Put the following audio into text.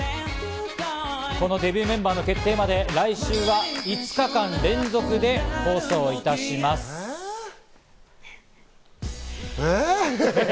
デビューメンバーの決定まで、来週は５日間連続で放送いたします。